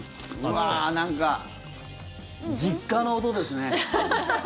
うわー、なんか実家の音ですね。